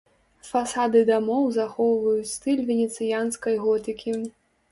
Фасады дамоў захоўваюць стыль венецыянскай готыкі.